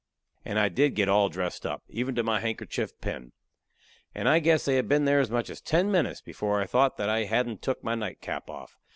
And I did get all dressed up, even to my handkerchief pin. And I guess they had been there as much as ten minutes before I thought that I hadn't took my nightcap off.